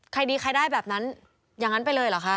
ใครดีใครได้แบบนั้นอย่างนั้นไปเลยเหรอคะ